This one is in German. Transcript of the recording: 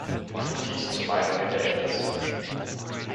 Tut dies zu meinem Gedächtnis!